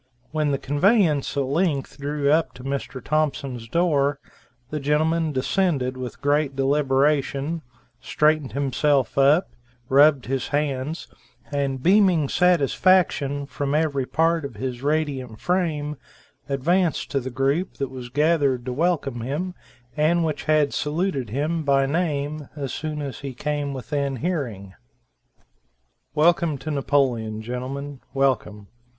When the conveyance at length drew up to Mr. Thompson's door, the gentleman descended with great deliberation, straightened himself up, rubbed his hands, and beaming satisfaction from every part of his radiant frame, advanced to the group that was gathered to welcome him, and which had saluted him by name as soon as he came within hearing. "Welcome to Napoleon, gentlemen, welcome.